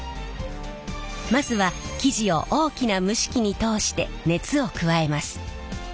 まずは生地を大きな蒸し機に通して熱を加えます。